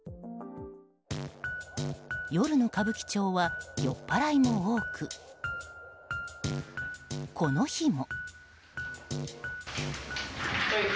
夜の歌舞伎町は酔っ払いも多くこの日も。